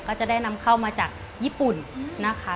ก็จะได้นำเข้ามาจากญี่ปุ่นนะคะ